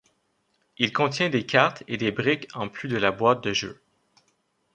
Il contient des cartes et des briques en plus de la boîte de jeu.